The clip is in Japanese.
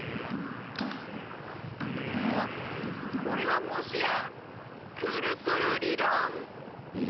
あこれはもしやくるくるりろん！